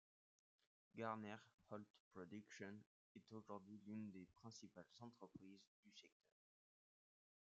Garner Holt Productions est aujourd'hui l'une des principales entreprises du secteur.